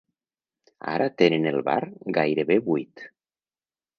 Ara tenen el bar gairebé buit.